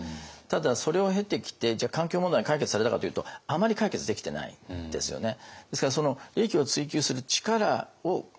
ただそれを経てきてじゃあ環境問題解決されたかというとあまり解決できてないですよね。